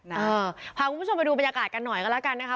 เออพาคุณผู้ชมไปดูบรรยากาศกันหน่อยก็แล้วกันนะคะ